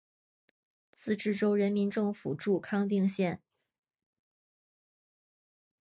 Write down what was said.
自治州人民政府驻康定县。